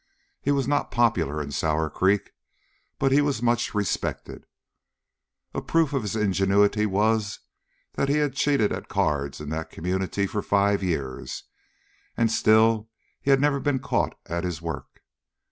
He was not popular in Sour Creek, but he was much respected. A proof of his ingenuity was that he had cheated at cards in that community for five years, and still he had never been caught at his work.